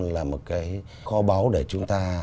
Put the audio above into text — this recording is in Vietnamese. là một cái kho báu để chúng ta